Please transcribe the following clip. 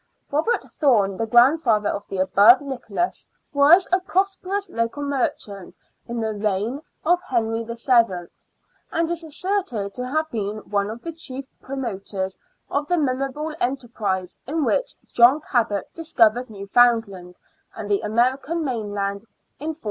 Robert Thorne, the grandfather of the above Nicholas, was a prosperous local merchant in the reign of Henry VH., and is asserted to have been one of the chief promoters of the memorable enterprise in which John Cabot discovered Newfoundland and the American mainland in 1497.